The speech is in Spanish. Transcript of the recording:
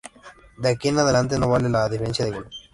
De aquí en adelante no vale la diferencia de gol.